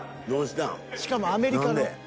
［しかもアメリカの］